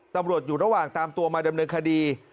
ตำรวจอยู่ระหว่างตามตัวมาดำเนินคดี